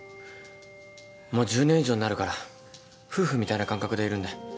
もう１０年以上になるから夫婦みたいな感覚でいるんだよ。